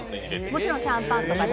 もちろんシャンパンとかでも。